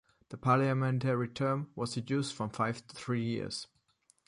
The parliamentary term was reduced from five to three years.